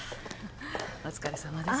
お疲れさまです。